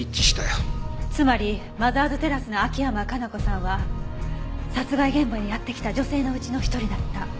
つまりマザーズテラスの秋山可奈子さんは殺害現場にやって来た女性のうちの一人だった。